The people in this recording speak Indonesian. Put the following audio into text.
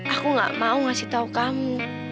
aku gak mau ngasih tahu kamu